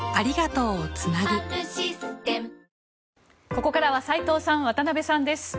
ここからは斎藤さん、渡辺さんです。